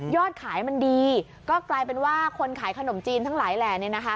ขายมันดีก็กลายเป็นว่าคนขายขนมจีนทั้งหลายแหล่